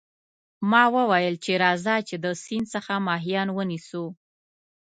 ما وویل چې راځه چې د سیند څخه ماهیان ونیسو.